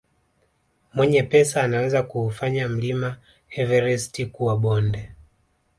Mwenye pesa anaweza kuufanya mlima everist kuwa bonde